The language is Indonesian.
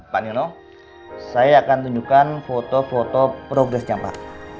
pak nino saya akan tunjukkan foto foto progresnya pak